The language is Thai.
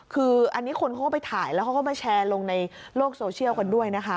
คืออันนี้คนเขาก็ไปถ่ายแล้วเขาก็มาแชร์ลงในโลกโซเชียลกันด้วยนะคะ